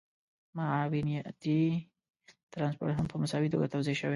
معاونيتي ټرانسپورټ هم په مساوي توګه توزیع شوی دی